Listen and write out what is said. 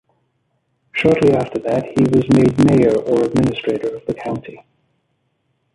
Shortly after that he was made mayor or administrator of the county.